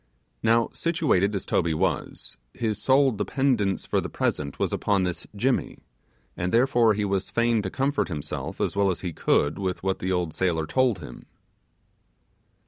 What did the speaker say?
Now, situated as Toby was, his sole dependence for the present was upon this Jimmy, and therefore he was fain to comfort himself as well as he could with what the old sailor told him.